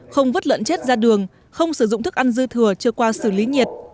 không vứt lợn chết ra đường không sử dụng thức ăn dư thừa chưa qua xử lý nhiệt